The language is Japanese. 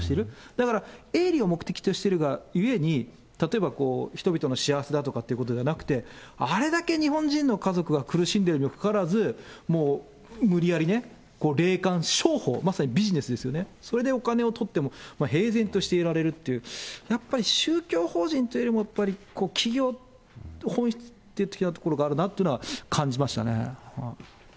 だから営利を目的としているがゆえに、例えば人々の幸せだとかということではなくて、あれだけ日本人の家族が苦しんでいるのにもかかわらず、もう無理やりね、霊感商法、まさにビジネスですよね、それでお金をとっても平然としていられるという、やっぱり宗教法人というよりも、企業本質的なところがあるなと感じましたね。